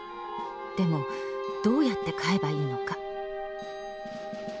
でもどうやって買えばいいのか」。